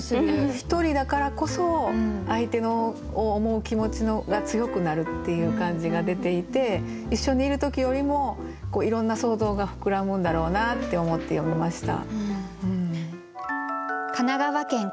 ひとりだからこそ相手を思う気持ちが強くなるっていう感じが出ていて一緒にいる時よりもいろんな想像が膨らむんだろうなって思って読みました。